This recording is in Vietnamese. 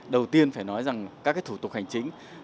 đầu tiên phải nói rằng các thủ tục hành chính